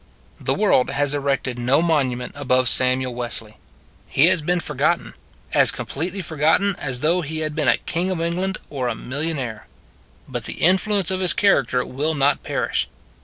The world has erected no monument above Samuel Wesley: he has been for gotten as completely forgotten as though he had been a king of England or a millionaire. But the influence of his character will not perish.